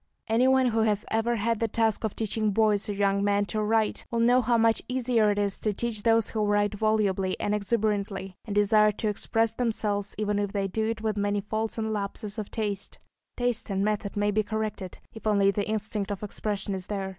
Anyone who has ever had the task of teaching boys or young men to write will know how much easier it is to teach those who write volubly and exuberantly, and desire to express themselves, even if they do it with many faults and lapses of taste; taste and method may be corrected, if only the instinct of expression is there.